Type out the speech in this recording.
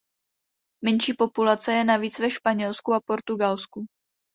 Menší populace je navíc ve Španělsku a Portugalsku.